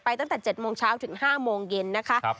ตั้งแต่๗โมงเช้าถึง๕โมงเย็นนะคะ